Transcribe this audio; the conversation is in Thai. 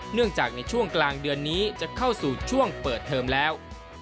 ในช่วงกลางเดือนนี้จะเข้าสู่ช่วงเปิดเทอมแล้ว